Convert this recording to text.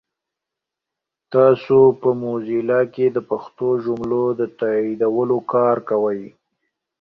تاسو په موزیلا کې د پښتو جملو د تایدولو کار کوئ؟